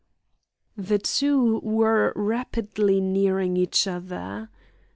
The two were rapidly nearing each other.